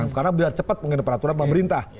karena biar cepat mengenai peraturan pemerintah